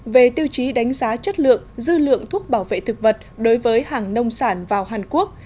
về tiêu chí đánh giá chất lượng dư lượng thuốc bảo vệ thực vật đối với hàng nông sản vào hàn quốc